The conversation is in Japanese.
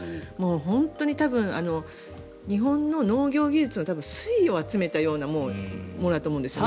本当に多分日本の農業技術の粋を集めたものだと思うんですね。